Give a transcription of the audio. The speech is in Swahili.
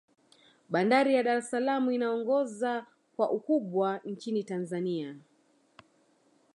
bandari ya dar es salaam inaongoza kwa ukumbwa nchini tanzania